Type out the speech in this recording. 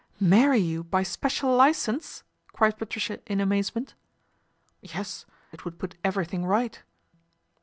" Marry you by special licence !" cried Patricia in amazement. " Yes, it would put everything right."